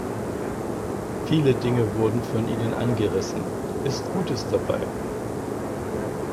Viele Dinge wurden von Ihnen angerissenist Gutes dabei.